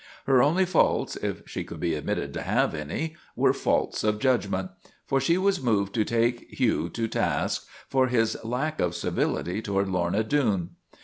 Her only faults, if she could be admitted to have any, were faults of judgment, for she was moved to take Hugh to task for his lack of civility toward Lorna Doone.